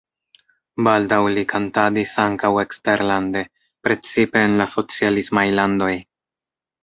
Baldaŭ li kantadis ankaŭ eksterlande, precipe en la socialismaj landoj.